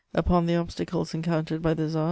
Upon the obstacles encountered by the Tsar, M.